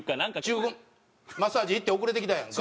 中国マッサージ行って遅れて来たやんか。